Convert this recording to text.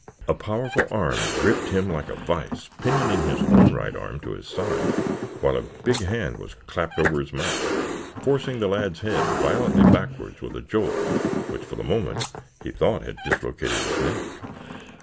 A powerful arm gripped him like a vise, pinioning his own right arm to his side, while a big hand was clapped over his mouth, forcing the lad's head violently backwards with a jolt which for the moment he thought had dislocated his neck.